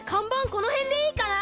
このへんでいいかな？